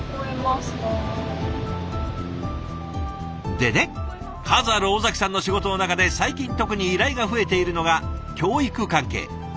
でね数ある尾崎さんの仕事の中で最近特に依頼が増えているのが教育関係。